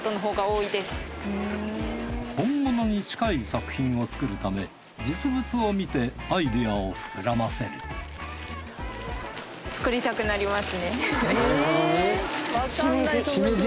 本物に近い作品を作るため実物を見てアイデアを膨らませるしめじ。